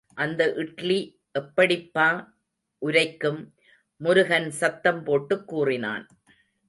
அந்த இட்லி எப்படிப்பா உரைக்கும்! முருகன் சத்தம் போட்டுக் கூறினான்.